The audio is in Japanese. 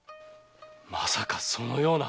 まさかそのような。